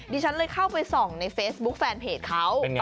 ดิฉันเลยเข้าไปส่องในเฟซบุ๊คแฟนเพจเขา